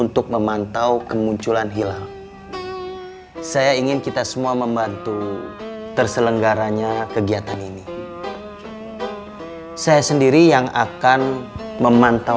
tuhan maui mahlikan seorang anak olfanya